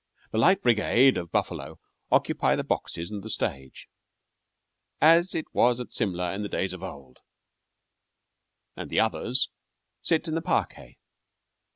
The "Light Brigade" of Buffalo occupy the boxes and the stage, "as it was at Simla in the days of old," and the others sit in the parquet.